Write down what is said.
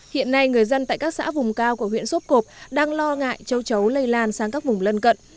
hiện nay người dân tại các xã vùng cao của huyện sốp cộp đang lo ngại châu chấu lây lan sang các vùng lân cận